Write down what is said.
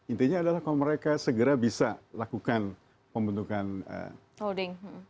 intinya adalah kalau mereka segera bisa lakukan pembentukan holding